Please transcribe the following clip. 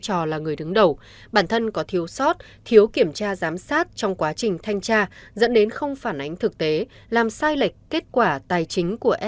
ông hưng nói